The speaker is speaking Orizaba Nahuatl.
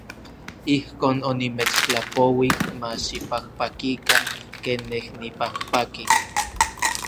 Ijkon onimechtlapouij ma xipajpakikan ken nej nipajpaki.